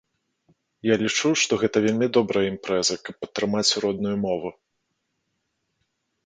Я лічу, што гэта вельмі добрая імпрэза, каб падтрымаць родную мову.